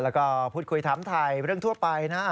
แล้วก็พูดคุยถามถ่ายเรื่องทั่วไปนะ